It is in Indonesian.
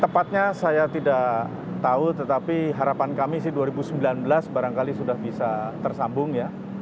tepatnya saya tidak tahu tetapi harapan kami sih dua ribu sembilan belas barangkali sudah bisa tersambung ya